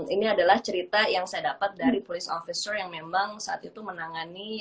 ini adalah cerita yang saya dapat dari polis officer yang memang saat itu menangani